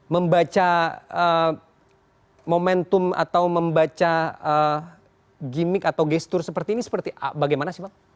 membaca momentum atau membaca gimmick atau gestur seperti ini bagaimana sih bang